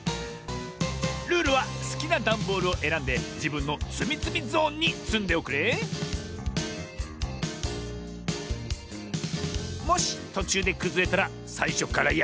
ルールはすきなダンボールをえらんでじぶんのつみつみゾーンにつんでおくれもしとちゅうでくずれたらさいしょからやりなおし。